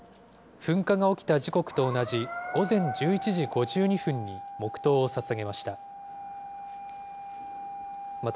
噴火が起きた時刻と同じ、午前１１時５２分に黙とうをささげました。